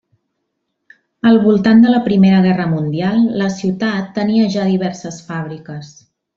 Al voltant de la Primera Guerra Mundial la ciutat tenia ja diverses fàbriques.